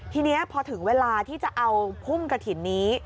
ทีนี้พอถึงเวลาที่จะเอาพุ่มกระถิ่นนี้